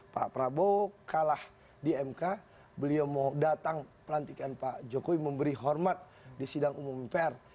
pak prabowo kalah di mk beliau mau datang pelantikan pak jokowi memberi hormat di sidang umum per